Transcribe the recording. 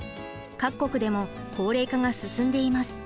各国でも高齢化が進んでいます。